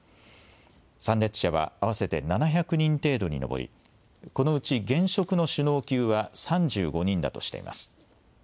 参列者は合わせて７００人程度に上り、このうち現職の首脳級は３５人だとしています。